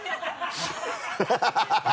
ハハハ